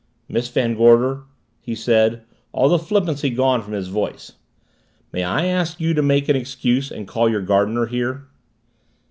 "Miss Van Gorder," he said, all the flippancy gone from his voice, "may I ask you to make an excuse and call your gardener here?"